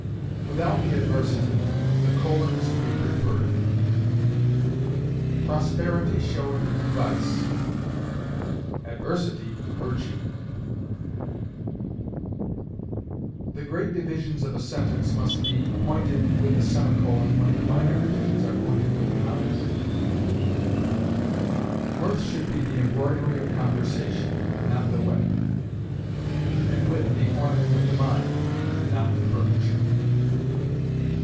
Without the adversative, the colon is to be preferred: "Prosperity showeth vice: adversity, virtue." The great divisions of a sentence must be pointed with a semicolon when the minor divisions are pointed with commas: "Mirth should be the embroidery of conversation, not the web; and wit the ornament of the mind, not the furniture."